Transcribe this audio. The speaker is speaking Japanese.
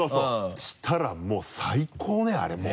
そしたらもう最高ねあれもう。